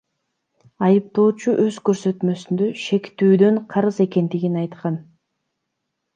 Айыптоочу өз көрсөтмөсүндө шектүүдөн карыз экендигин айткан.